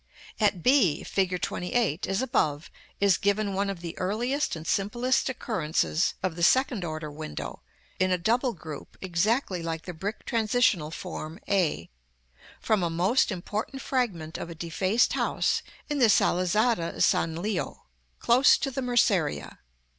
[Illustration: Fig. XXVIII.] § XXIX. At b, Fig. XXVIII., as above, is given one of the earliest and simplest occurrences of the second order window (in a double group, exactly like the brick transitional form a), from a most important fragment of a defaced house in the Salizzada San Liò, close to the Merceria.